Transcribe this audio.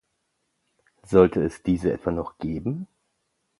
Sollte es diese etwa noch geben?